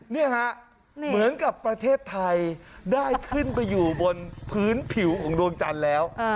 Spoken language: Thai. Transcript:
นี่ฮะเหมือนกับประเทศไทยได้ขึ้นไปอยู่บนพื้นผิวของดวงจันทร์แล้ว